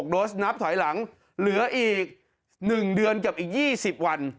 โดสนับถอยหลังเหลืออีก๑เดือนกับอีก๒๐วัน